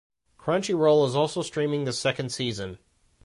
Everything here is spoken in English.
Crunchyroll is also streaming the second season.